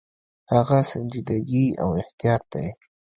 هغه سنجیدګي او احتیاط دی.